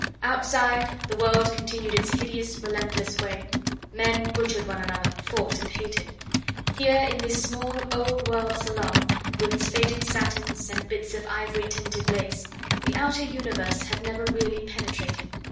Outside the world continued its hideous, relentless way; men butchered one another, fought and hated. Here in this small old world salon, with its faded satins and bits of ivory tinted lace, the outer universe had never really penetrated.